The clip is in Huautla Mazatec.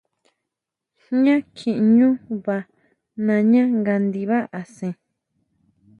Nya kjiʼñú vaa nañá nga ndibá asén.